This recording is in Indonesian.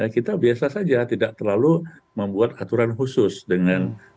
kita biasa saja tidak terlalu membuat aturan khusus dengan